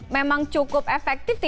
memang cukup efektif